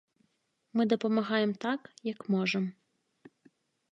Мы дапамагаем так, як можам.